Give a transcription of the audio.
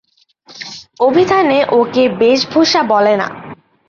অভিধানে ওকে বেশভূষা বলে না।